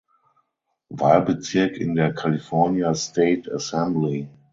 Wahlbezirk in der California State Assembly.